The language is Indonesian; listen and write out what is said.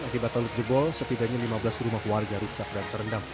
akibat talut jebol setidaknya lima belas rumah warga rusak dan terendam